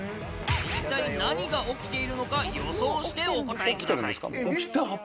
一体何が起きているのか予想してお答えください